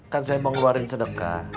kan saya mau ngeluarin sedekah